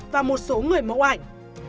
và một số người mẫu ảnh